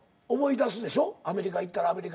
アメリカ行ったらアメリカ行ったで。